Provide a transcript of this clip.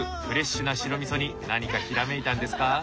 フレッシュな白味噌に何かひらめいたんですか？